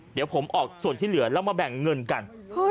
เดี๋ยวผมออกส่วนที่เหลือแล้วมาแบ่งเงินกัน